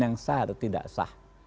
yang sah atau tidak sah